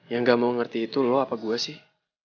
yang gak mau ngerti itu loh apa gue sih